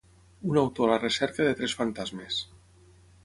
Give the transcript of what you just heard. Un autor a la recerca de tres fantasmes.